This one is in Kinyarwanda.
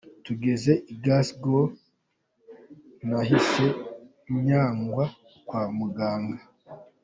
Tugeze i Glas¬gow nahise njyanwa kwa muganga.